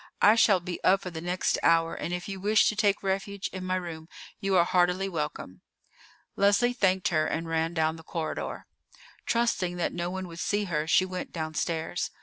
"I shall be up for the next hour, and if you wish to take refuge in my room you are heartily welcome." Leslie thanked her and ran down the corridor. Trusting that no one would see her, she went downstairs.